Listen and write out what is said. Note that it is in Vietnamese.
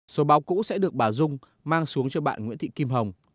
số báo cũ sẽ được bà dung mang xuống cho bạn nguyễn thị kim hồng